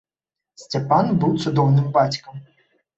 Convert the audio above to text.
Сцяпан быў цудоўным бацькам.